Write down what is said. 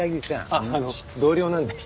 あっ同僚なんで。